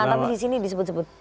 tapi di sini disebut sebut